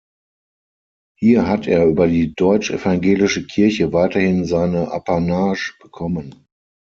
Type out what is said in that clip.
Hier hat er über die deutsch-evangelische Kirche weiterhin seine Apanage bekommen.